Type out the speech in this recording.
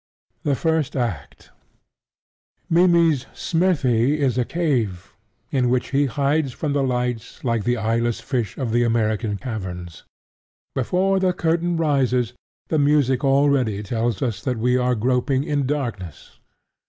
The First Act Mimmy's smithy is a cave, in which he hides from the light like the eyeless fish of the American caverns. Before the curtain rises the music already tells us that we are groping in darkness.